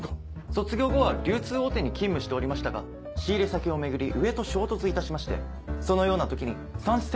卒業後は流通大手に勤務しておりましたが仕入れ先を巡り上と衝突いたしましてそのような時にさんし